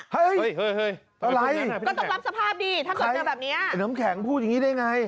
เฮ้ยอะไรก็ต้องรับสภาพดิถ้าเกิดเจอแบบนี้น้ำแข็งพูดอย่างนี้ได้ไง